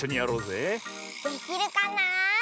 できるかな？